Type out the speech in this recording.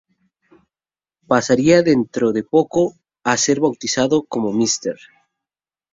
Pasaría dentro de poco a ser bautizado como "“Mr.